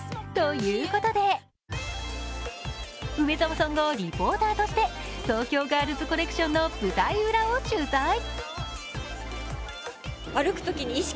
ということで梅澤さんがリポーターとして東京ガールズコレクションの舞台裏を取材。